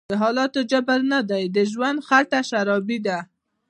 دحالاتو_جبر_نه_دی_د_ژوند_خټه_شرابي_ده